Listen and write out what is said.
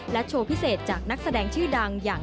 โชว์พิเศษจากนักแสดงชื่อดังอย่าง